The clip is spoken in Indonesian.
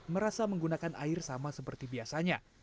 merasa menggunakan air sama seperti biasanya